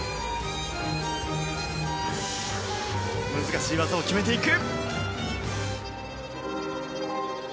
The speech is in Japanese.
難しい技を決めていく。